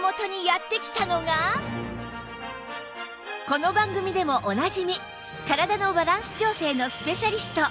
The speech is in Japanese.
この番組でもおなじみ体のバランス調整のスペシャリスト